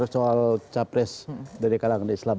cawapres dari kalangan islam